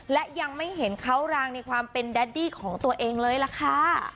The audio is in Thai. และยังไม่เห็นเขารางในความเป็นแดดดี้ของตัวเองเลยล่ะค่ะ